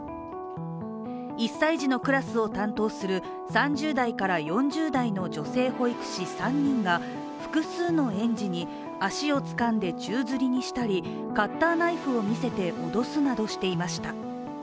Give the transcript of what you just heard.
１歳児のクラスを担当する３０代から４０代の女性保育士３人が複数の園児に足をつかんで宙づりにしたりカッターナイフを見せて脅すなどしていました。